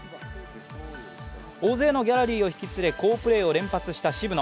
大勢のギャラリーを引き連れ、好プレーを連発した渋野。